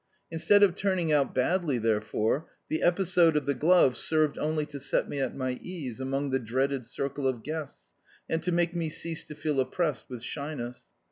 Instead of turning out badly, therefore, the episode of the glove served only to set me at my ease among the dreaded circle of guests, and to make me cease to feel oppressed with shyness.